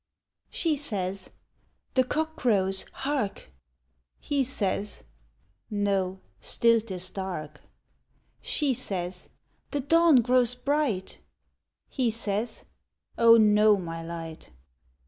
She says, "The cock crows, hark!" He says, "No! still 'tis dark." She says, "The dawn grows bright," He says, "O no, my Light."